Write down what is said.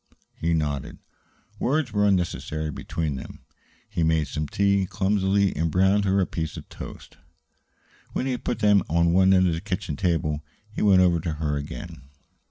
He nodded. Words were unnecessary between them. He made some tea clumsily and browned her a piece of toast. When he had put them on one end of the kitchen table, he went over to her again.